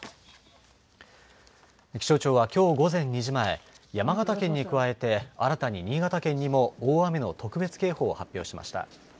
気象庁は、きょう午前２時前山形県に加えて新たに新潟県にも大雨の特別警報を発表しました。